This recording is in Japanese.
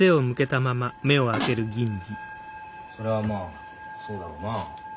それはまあそうだろうな。